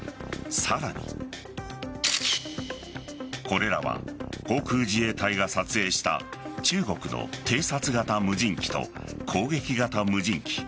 さらにこれらは、航空自衛隊が撮影した中国の偵察型無人機と攻撃型無人機。